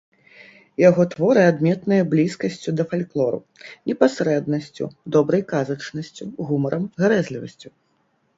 Яго творы адметныя блізкасцю да фальклору, непасрэднасцю, добрай казачнасцю, гумарам, гарэзлівасцю.